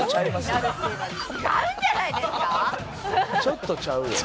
ちょっとちゃうよ。